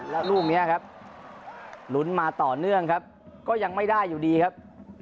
แล้วลูกนี้ครับลุ้นมาต่อเนื่องครับก็ยังไม่ได้อยู่ดีครับ